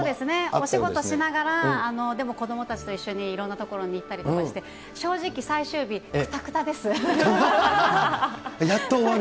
お仕事しながら、でも子どもたちと一緒にいろんな所に行ったりとかして、正直、やっと終わる？